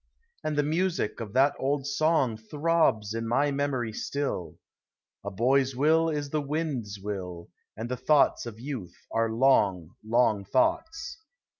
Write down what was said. And the music of that old song Throbs in mv memory still: " A boy's will is the wind's will, And the thoughts of youth are long, long thoughts."